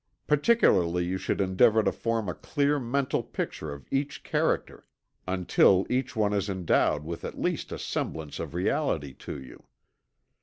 Particularly should you endeavor to form a clear mental picture of each character, until each one is endowed with at least a semblance of reality to you.